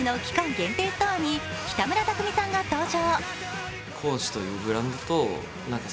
限定ストアに北村匠海さんが登場。